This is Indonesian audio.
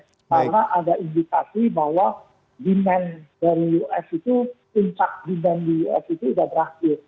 karena ada indikasi bahwa demand dari us itu puncak demand di us itu sudah berakhir